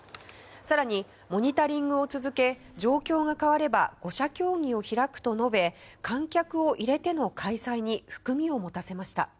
更に、モニタリングを続け状況が変われば５者協議を開くと述べ観客を入れての開催に含みを持たせました。